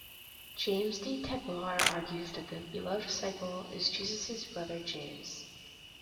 James D. Tabor argues that the beloved disciple is Jesus' brother James.